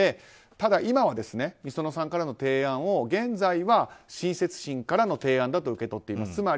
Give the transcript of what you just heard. ただ今はｍｉｓｏｎｏさんからの提案を現在は親切心からの提案だと受け取っています。